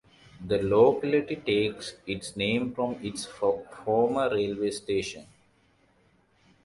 The locality takes its name from its former railway station.